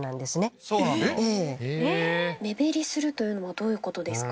目減りするというのはどういうことですか？